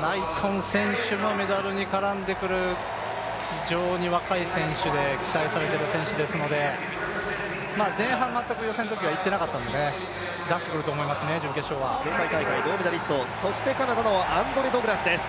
ナイトン選手もメダルに絡んでくる非常に若い選手で期待されている選手ですので前半、全く予選ときはいってなかったんで出してくると思いますね、準決勝は前回大会銅メダリスト、そしてカナダのアンドレ・ドグラスです